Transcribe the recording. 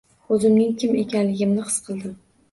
Oʻzimning kim ekanligim his qildim